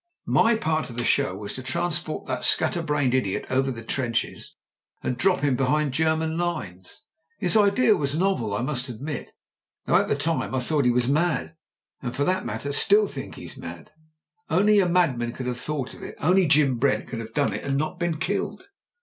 "My part of the show was to transport that scat ter brained idiot over the trenches and drop him be hind the German lines. His idea was novel, I must admit, though at the time I thought he was mad, and for that matter I still think he's mad. Only a mad man could have thought of it, only Jim Brent could have done it and not been killed.